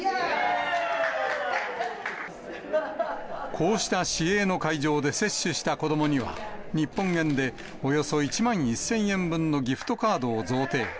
こうした市営の会場で接種した子どもには、日本円でおよそ１万１０００円分のギフトカードを贈呈。